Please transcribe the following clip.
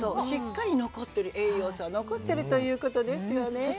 しっかり栄養素が残ってるということですよね。